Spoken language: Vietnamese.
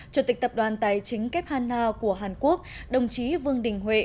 chủ tịch tập đoàn tài chính kép hà na của hàn quốc đồng chí vương đình huệ